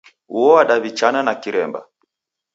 Uo wadaw'ichana na kiremba.